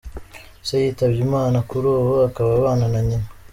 Se yitabye Imana, kuri ubu akaba abana na nyina.